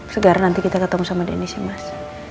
segar nanti kita ketemu sama deni sih mas